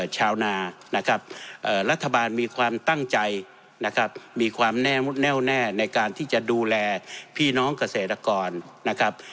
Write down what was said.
ชาวนานะครับรัฐบาลมีความตั้งใจนะครับมีความแน่มุดแน่วแน่ในการที่จะดูแลพี่น้องเกษตรกรนะครับ